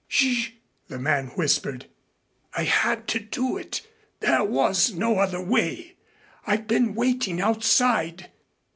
"Sh " the man whispered. "I had to do it. There was no other way. I've been waiting outside."